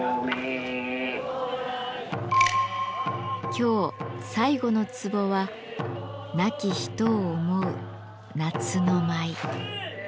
今日最後の壺は「亡き人を思う、夏の舞」。